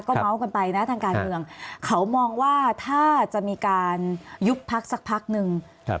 เมาส์กันไปนะทางการเมืองเขามองว่าถ้าจะมีการยุบพักสักพักนึง